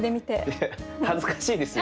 いや恥ずかしいですよ